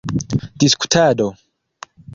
diskutado